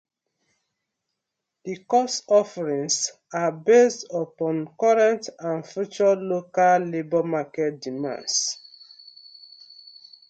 The course offerings are based upon current and future local labor market demands.